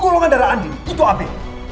golongan darah andi itu api